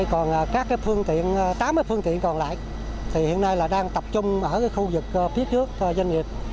còn các phương tiện tám mươi phương tiện còn lại hiện nay đang tập trung ở khu vực phía trước doanh nghiệp